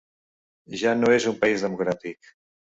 Ja no és un país democràtic.